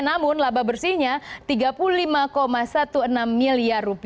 namun laba bersihnya rp tiga puluh lima enam belas miliar